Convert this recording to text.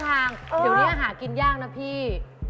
เดี๋ยวนี้หากินยากนะพี่